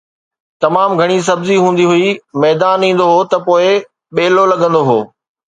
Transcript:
تمام گهڻي سبزي هوندي هئي، ميدان ايندو هو ته پوءِ ٻيلو لڳندو هو